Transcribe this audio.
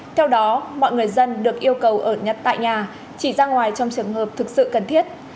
theo đó mọi người dân được yêu cầu ở nhật tại nhà chỉ ra ngoài trong trường hợp thực sự cần thiết